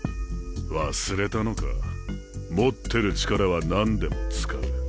忘れたのか持ってる力は何でも使う。